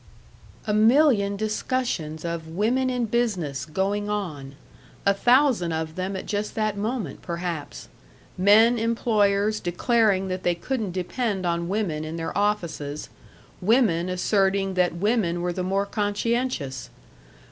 A million discussions of Women in Business going on a thousand of them at just that moment, perhaps men employers declaring that they couldn't depend on women in their offices, women asserting that women were the more conscientious.